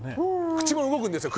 口も動くんですよ